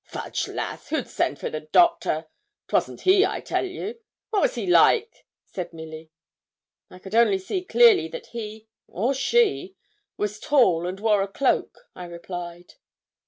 'Fudge, lass! who'd send for the doctor? 'Twasn't he, I tell you. What was he like?' said Milly. 'I could only see clearly that he, or she, was tall, and wore a cloak,' I replied.